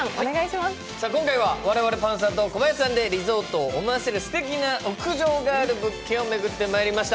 今回は我々パンサーと小林さんでリゾートを思わせるすてきな屋上があるリゾート物件をめぐってまいりました。